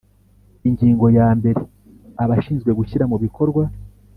Ingingo ya mbere Abashinzwe gushyira mu bikorwa